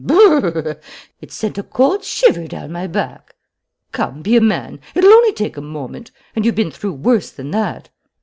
Brrrr! It sent a cold shiver down my back! "Come, be a man. It'll only take a moment; and you've been through worse than that!